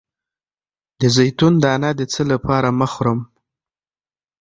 د زیتون دانه د څه لپاره مه خورم؟